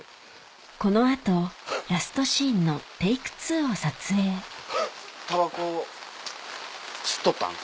この後ラストシーンのテイク２を撮影たばこ吸っとったん？